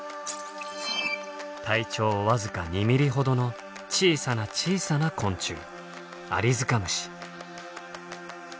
体長僅か２ミリほどの小さな小さな昆虫アリヅカムシ。